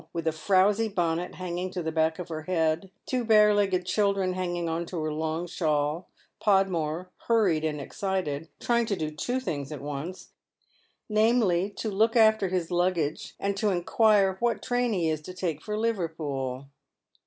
with a fiows^ bonnet hanging to the back of har head, two bai » S62 toead Men's Shoes. legi?ed children hanging to the long shawl, Podmore, hurried and excited, trying to do two things at once — namely, to look after his luggage, and to inquire what train he is to take for Liverpool.